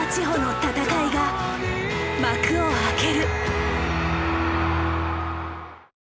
ほの戦いが幕を開ける。